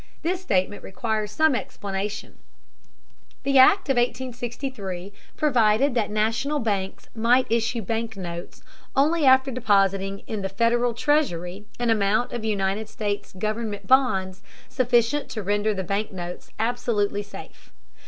This statement requires some explanation. The Act of 1863 provided that National banks might issue bank notes only after depositing in the Federal Treasury an amount of United States government bonds sufficient to render the bank notes absolutely safe.